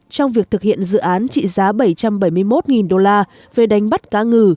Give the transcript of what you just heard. trong việc thực hiện dự án trị giá bảy trăm bảy mươi một đô la về đánh bắt cá ngừ